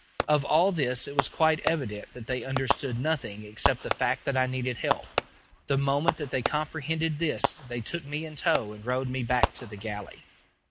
Of all this it was quite evident that they understood nothing except the fact that I needed help. The moment that they comprehended this they took me in tow and rowed back to the galley.